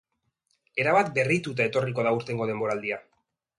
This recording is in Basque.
Erabat berrituta etorriko da aurtengo denboraldia.